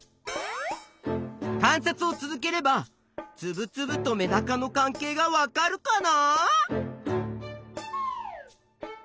観察を続ければつぶつぶとメダカの関係がわかるかな？